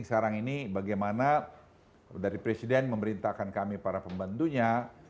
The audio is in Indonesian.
yang diberikan kepada